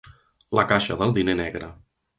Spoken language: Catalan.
La caixa del diner negre.